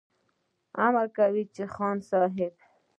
امر کوه خان صاحبه !